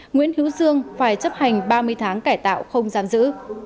nguyễn hữu sương phải chấp hành ba mươi tháng cải tạo không giam giữ